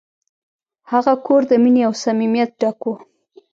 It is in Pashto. هغه کور د مینې او صمیمیت ډک و.